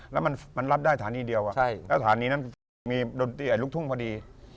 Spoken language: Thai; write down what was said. แล้วมันรับได้ฐานีเดียวแล้วฐานีนั้นมีดนตรีลูกทุ่งพอดี